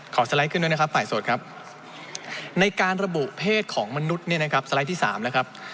สไลด์ขึ้นด้วยนะครับฝ่ายโสดครับในการระบุเพศของมนุษย์เนี่ยนะครับสไลด์ที่๓นะครับ